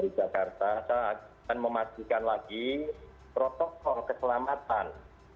di jakarta saya akan memastikan lagi protokol keselamatan